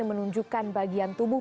menunjukkan bagian tubuh